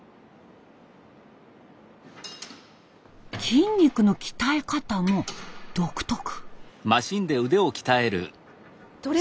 筋肉の鍛え方も独特。